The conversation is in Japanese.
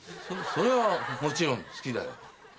そそれはもちろん好きだよ。